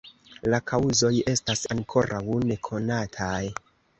La kaŭzoj estas ankoraŭ nekonataj.